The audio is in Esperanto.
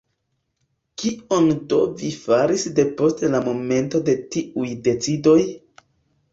Kion do vi faris depost la momento de tiuj decidoj?